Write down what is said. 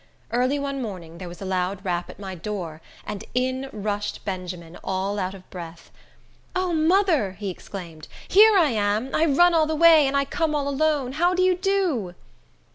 Early one morning, there was a loud rap at my door, and in rushed Benjamin, all out of breath. "O mother!" he exclaimed, "here I am! I run all the way; and I come all alone. How d'you do?"